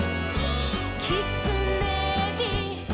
「きつねび」「」